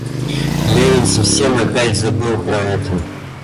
Левин совсем опять забыл про это.